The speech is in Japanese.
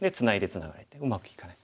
ツナがれてうまくいかない。